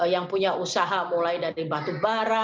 yang punya usaha mulai dari batu bara